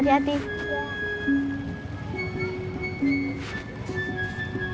boleh dialah pembuatan